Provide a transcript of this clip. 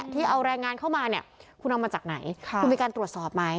ที่เอาแรงงานเข้ามาเนี่ยคุณเอามาจากไหนคุณมีการตรวจสอบไหม